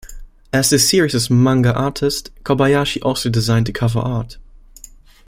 As the series' manga artist, Kobayashi also designed the cover art.